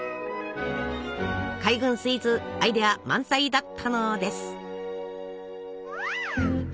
海軍スイーツアイデア満載だったのです。